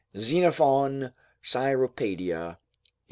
[Xenophon, Cyropadia, viii.